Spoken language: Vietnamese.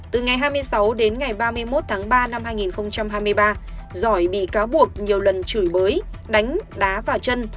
từ ngày hai mươi sáu đến ngày ba mươi một tháng ba năm hai nghìn hai mươi ba giỏi bị cáo buộc nhiều lần chửi bới đánh đá vào chân